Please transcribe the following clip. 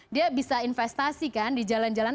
dia bisa investasi kan di jalan jalan